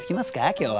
今日は。